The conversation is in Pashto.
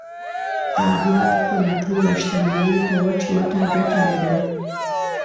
احمد خپله ټوله شمني په وچ مټه ګټلې ده.